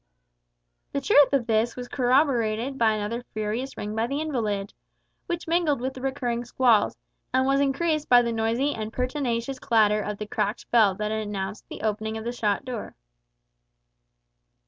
The truth of this was corroborated by another furious ring by the invalid, which mingled with the recurring squalls, and was increased by the noisy and pertinacious clatter of the cracked bell that announced the opening of the shop door.